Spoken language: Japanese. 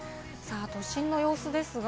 都心の様子ですが。